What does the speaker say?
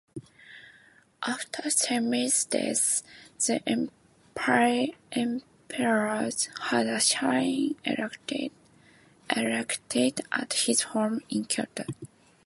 After Seimei's death, the emperor had a shrine erected at his home in Kyoto.